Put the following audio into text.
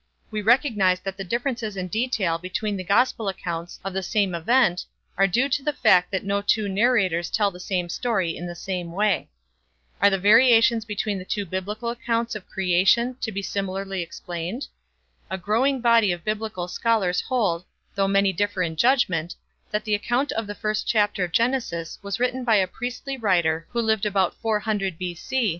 We recognize that the differences in detail between the Gospel accounts of the same event are due to the fact that no two narrators tell the same story in the same way. Are the variations between the two Biblical accounts of creation to be similarly explained? A growing body of Biblical scholars hold, though many differ in judgment, that the account in the first chapter of Genesis was written by a priestly writer who lived about four hundred B.C.